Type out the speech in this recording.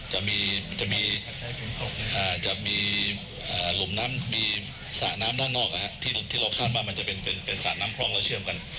จะมีหมอน้ำมีสะน้ำด้านนอกที่เราคราบมามันจะเป็นสะน้ำพร้อมแล้วเชื่อมกัน